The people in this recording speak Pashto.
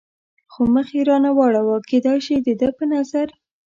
خو مخ یې را نه واړاوه، کېدای شي د ده په نظر.